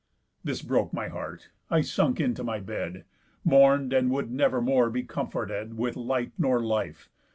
᾿ This broke my heart; I sunk into my bed, Mourn'd, and would never more be comforted With light, nor life.